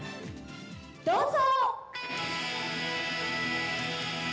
どうぞ！